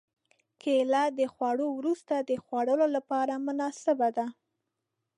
کېله د خوړو وروسته د خوړلو لپاره مناسبه ده.